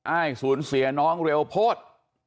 อ้ายศูนย์เสียน้องเรียวโพธย์